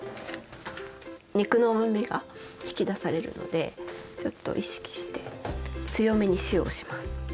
肉のうまみが引き出されるのでちょっと意識して強めに塩をします。